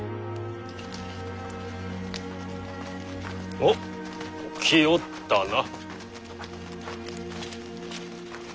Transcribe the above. おっ来おったな。